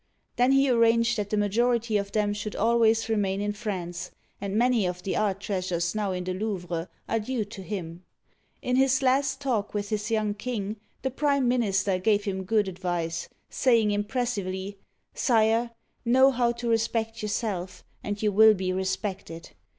" Then he arranged that the majority of them should always remain in France; and many of the art treasures now in the Louvre are due to him. In his last talk with his young king, the prime mi o, F. — 21 Digiti?^d by CjOOQIC 328 OLD FRANCE gave him good advice, saying impressively :" Sire, know how to respect yourself, and you will be respected.